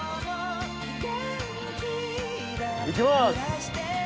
いきます。